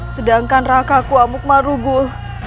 sedangkan rakaku amugmarugul